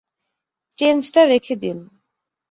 চেঞ্জটা রেখে দিন।